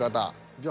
じゃあ。